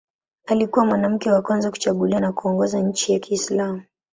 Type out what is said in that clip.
Alikuwa mwanamke wa kwanza kuchaguliwa na kuongoza nchi ya Kiislamu.